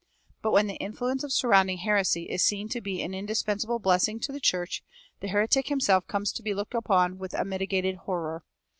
But when the influence of surrounding heresy is seen to be an indispensable blessing to the church, the heretic himself comes to be looked upon with a mitigated horror.